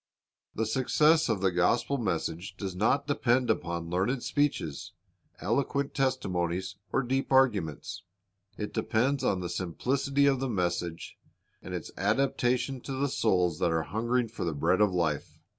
The success of the gospel message does not depend upon learned speeches, eloquent testimonies, or deep arguments. It depends upon the simplicity of the message and its adapta tion to the souls that are hungering for the bread of life.